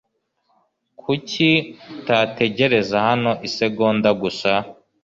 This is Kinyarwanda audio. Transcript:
Kuki utategereza hano isegonda gusa?